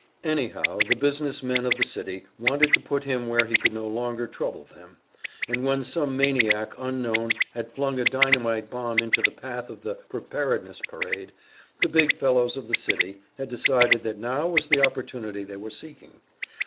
Anyhow, the business men of the city wanted to put him where he could no longer trouble them; and when some maniac unknown had flung a dynamite bomb into the path of the Preparedness parade, the big fellows of the city had decided that now was the opportunity they were seeking.